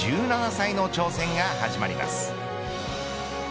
１７歳の挑戦が始まります。